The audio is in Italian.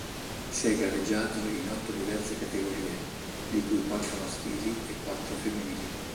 Si è gareggiato in otto diverse categorie, di cui quattro maschili e quattro femminili.